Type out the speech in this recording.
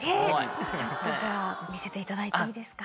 ちょっとじゃあ見せていただいていいですか？